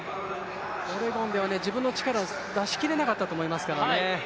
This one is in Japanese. オレゴンでは自分の力を出しきれなかったと思いますからね。